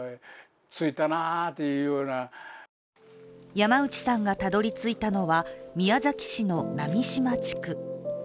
山内さんがたどりついたのは宮崎市の波島地区。